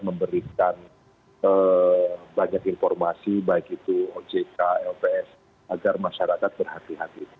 memberikan banyak informasi baik itu ojk lps agar masyarakat berhati hati